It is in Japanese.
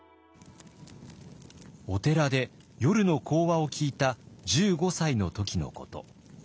お寺で夜の講話を聞いた１５歳の時のこと。